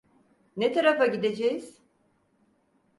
Ne tarafa gideceğiz?